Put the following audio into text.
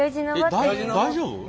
大丈夫？